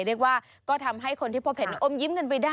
เรียกว่าก็ทำให้คนที่พบเห็นอมยิ้มกันไปได้